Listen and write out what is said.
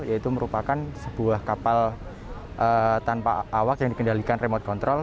yaitu merupakan sebuah kapal tanpa awak yang dikendalikan remote control